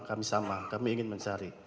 kami sama kami ingin mencari